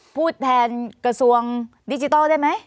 พูดแทนกระทรวงดิจิทัลได้ไหม